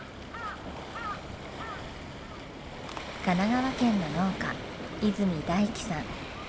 神奈川県の農家和泉大樹さん。